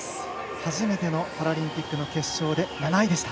初めてのパラリンピックの決勝で７位でした。